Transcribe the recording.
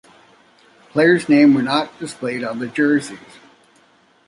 Players' names were not displayed on the jerseys.